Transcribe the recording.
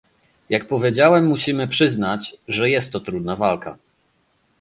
Jak powiedziałem, musimy przyznać, że jest to trudna walka